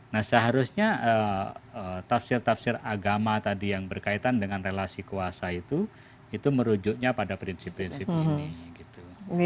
nah seharusnya tafsir tafsir agama tadi yang berkaitan dengan relasi kuasa itu itu merujuknya pada prinsip prinsip ini gitu